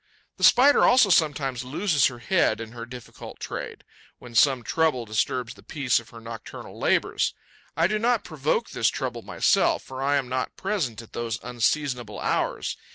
The Spider also sometimes loses her head in her difficult trade, when some trouble disturbs the peace of her nocturnal labours. I do not provoke this trouble myself, for I am not present at those unseasonable hours.